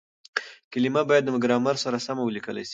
کليمه بايد د ګرامر سره سمه وليکل سي.